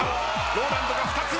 ＲＯＬＡＮＤが２つ。